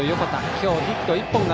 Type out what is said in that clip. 今日はヒット１本。